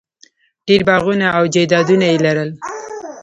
ډېر باغونه او جایدادونه یې لرل.